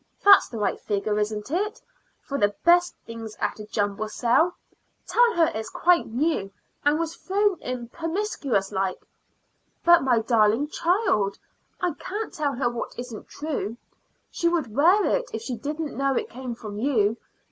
That's the right figure, isn't it, for the best things at a jumble sale? Tell her it's quite new, and was thrown in promiscuous like." "But, my darling child, I can't tell her what isn't true. She would wear it if she didn't know it came from you.